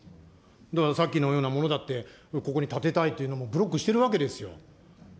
だからさっきのようなものだって、ここに立てたいっていうのもブロックしてるわけですよ。